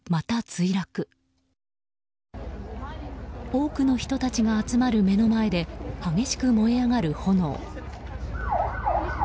多くの人たちが集まる目の前で激しく燃え上がる炎。